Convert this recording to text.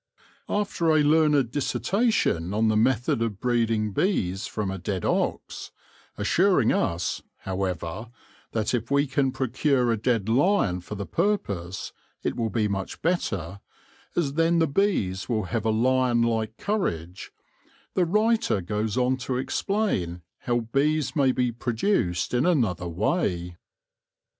After a learned dissertation on the method of breeding bees from a dead ox — assuring us, however, that if we can procure a dead lion for the purpose, it will be much better, as then the bees will have a lion like courage— the writer goes on to explain how bees may be produced in another way.